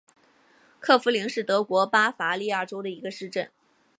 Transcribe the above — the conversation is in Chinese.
克弗灵是德国巴伐利亚州的一个市镇。